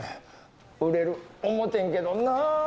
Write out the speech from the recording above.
売れる思てんけどな。